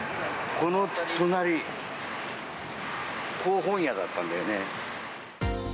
この隣、ここ、本屋だったんだよね。